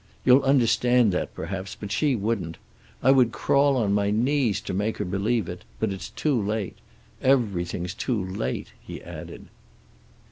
You'll understand that, perhaps, but she wouldn't. I would crawl on my knees to make her believe it, but it's too late. Everything's too late," he added.